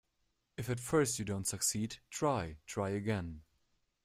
If at first you don't succeed, try, try again.